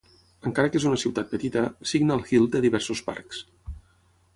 Encara que és una ciutat petita, Signal Hill té diversos parcs.